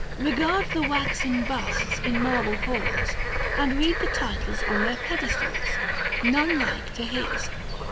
Eegard the waxen busts in marble halls, And read the titles on their pedestals, None like to his.